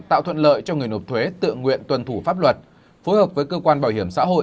tạo thuận lợi cho người nộp thuế tự nguyện tuân thủ pháp luật phối hợp với cơ quan bảo hiểm xã hội